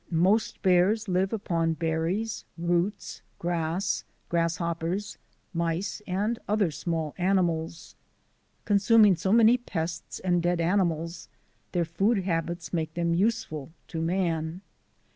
Most bears live upon berries, roots, grass, grasshoppers, mice, and other small animals. Consuming so many pests and dead animals, their food habits make them useful to man.